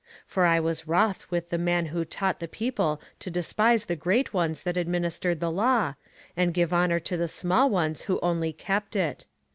For I was wroth with the man who taught the people to despise the great ones that administered the law, and give honour to the small ones who only kept it.